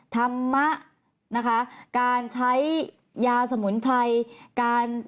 ธรรมะการใช้ยาสมุนไพร